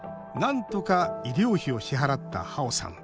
なんとか医療費を支払ったハオさん。